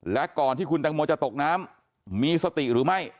และก่อนที่คุณตังโมจะตกน้ำมีสติหรือไม่